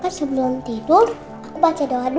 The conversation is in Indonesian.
kan sebelum tidur aku baca doa dulu